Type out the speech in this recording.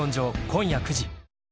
今夜９時。